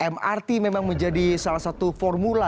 mrt memang menjadi salah satu formula